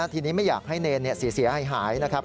ทีนี้ไม่อยากให้เนรเสียหายนะครับ